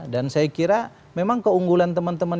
dan saya kira memang keunggulan teman teman